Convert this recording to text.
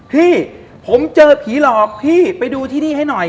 พี่ผมเจอผีหลอกพี่ไปดูที่นี่ให้หน่อย